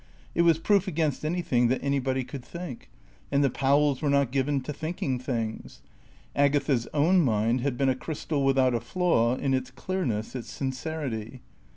It was proof against anything that anybody could think. And the Powells were not given to thinking things. Agatha's own mind had been a crystal without a flaw, in its clearness, its sincerity.